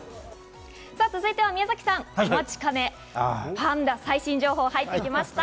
続いては、宮崎さんお待ちかね、パンダ最新情報入ってきました。